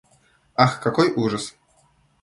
Ах, какой ужас!